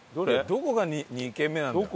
どこが２軒目なんだろう？